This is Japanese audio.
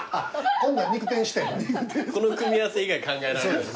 この組み合わせ以外考えられないです。